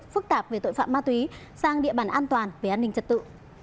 phức tạp về tội phạm ma túy sang địa bàn an toàn về an ninh trật tự